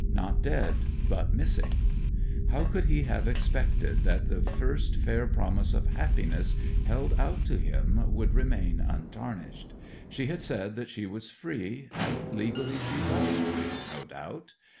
Not dead, but missing. How could he have expected that the first fair promise of happiness held out to him would remain untarnished? She had said that she was free; and legally she was free, no doubt.